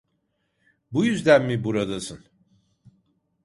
Bu yüzden mi buradasın?